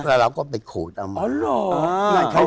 แล้วเราก็ไปขูดเอามา